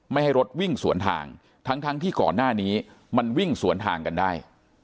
ให้รถวิ่งสวนทางทั้งที่ก่อนหน้านี้มันวิ่งสวนทางกันได้